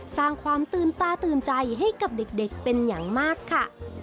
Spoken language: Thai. สร้างความตื่นตาตื่นใจให้กับเด็กเป็นอย่างมากค่ะ